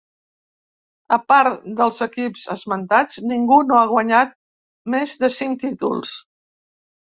A part dels equips esmentats, ningú no ha guanyat més de cinc títols.